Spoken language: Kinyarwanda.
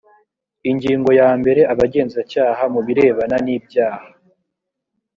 ingingo ya mbere abagenzacyaha mu birebana n’ibyaha